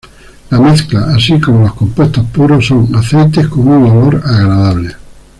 La mezcla, así como los compuestos puros, son aceites con un olor agradable.